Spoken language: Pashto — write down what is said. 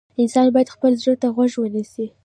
انسان باید خپل زړه ته غوږ ونیسي.